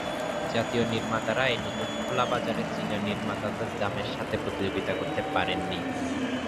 জাতীয় নির্মাতারা এই নতুন খোলা বাজারে চীনা নির্মাতাদের দামের সাথে প্রতিযোগিতা করতে পারেনি।